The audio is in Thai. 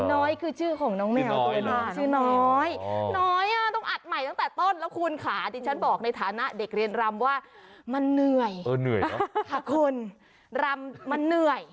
น้อยคือชื่อของน้องแหมวตัวนั้นชื่อน้อย